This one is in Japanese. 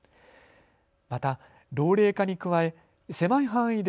また老齢化に加え狭い範囲で